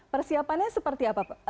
persiapannya seperti apa